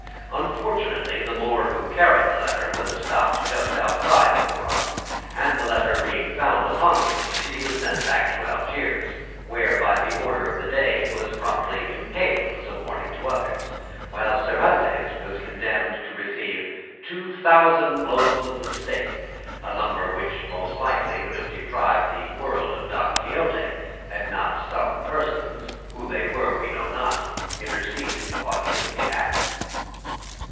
Unfortunately the Moor who carried the letter was stopped just outside Oran, and the letter being found upon him, he was sent back to Algiers, where by the order of the Dey he was promptly impaled as a warning to others, while Cervantes was condemned to receive two thousand blows of the stick, a number which most likely would have deprived the world of "Don Quixote," had not some persons, who they were we know not, interceded on his behalf.